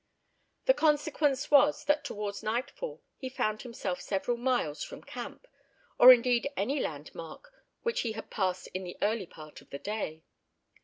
The consequence was that towards nightfall he found himself several miles from camp, or indeed any landmark which he had passed in the early part of the day.